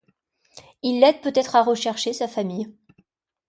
Il l’aide peut-être à rechercher sa famille.